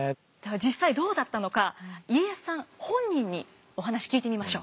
実際どうだったのか家康さん本人にお話聞いてみましょう。